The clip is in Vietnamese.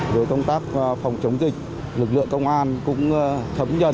về công tác phòng chống dịch lực lượng công an cũng thấm nhận